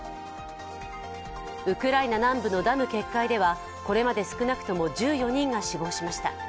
ウクライナ南部のダム決壊ではこれまで少なくとも１４人が死亡しました。